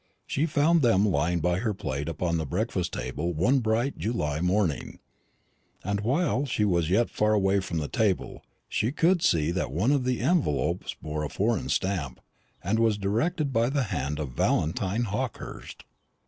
She found them lying by her plate upon the breakfast table one bright July morning; and while she was yet far away from the table she could see that one of the envelopes bore a foreign stamp, and was directed by the hand of Valentine Hawkehurst.